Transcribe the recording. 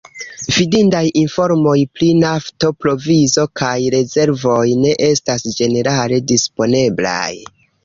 Fidindaj informoj pri nafto-provizo kaj -rezervoj ne estas ĝenerale disponeblaj.